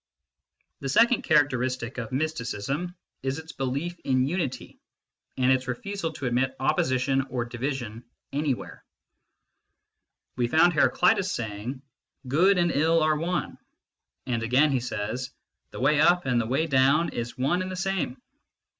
The second characteristic of mysticism is its belief in unity, and its refusal to admit opposition or division anywhere. We found Heraclitus saying " good and ill are one "; and again he says, " the way up and the way down is one and the same."